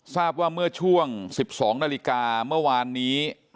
ทราบว่าเมื่อช่วง๑๒นาฬิกาเมื่อวานนี้